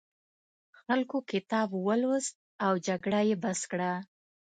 خلکو کتاب ولوست او جګړه یې بس کړه.